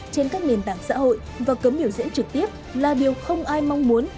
trên các nền tảng xã hội và cấm biểu diễn trực tiếp là điều không ai mong muốn